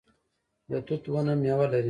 د توت ونه میوه لري